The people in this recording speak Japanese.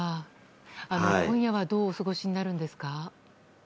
今夜はどうお過ごしになるんですか？